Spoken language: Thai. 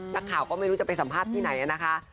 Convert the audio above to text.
นักข่าวก็ไม่รู้จะไปสัมภาษณ์ที่ไหนนะคะ